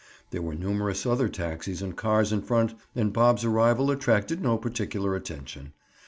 There were numerous other taxis and cars in front and Bob's arrival attracted no particular attention.